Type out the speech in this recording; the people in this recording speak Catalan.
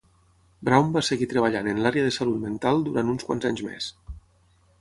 Brown va seguir treballant en l'àrea de salut mental durant uns quants anys més.